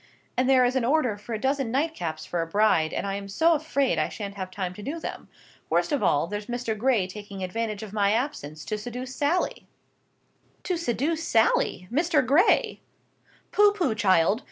And there is an order for a dozen nightcaps for a bride, and I am so afraid I shan't have time to do them. Worst of all, there's Mr. Gray taking advantage of my absence to seduce Sally!" "To seduce Sally! Mr. Gray!" "Pooh, pooh, child!